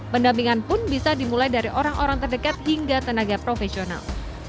pendampingan pun bisa dimulai dari orang orang terdekat hingga tenaga profesional